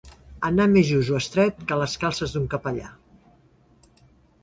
Anar més just o estret que les calces d'un capellà.